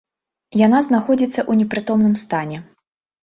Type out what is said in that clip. Яна знаходзіцца ў непрытомным стане.